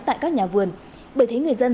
tại các nhà vườn bởi thế người dân